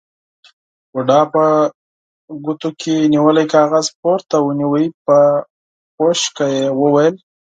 بوډا په ګوتو کې نيولی کاغذ پورته ونيو، په خشکه يې وويل: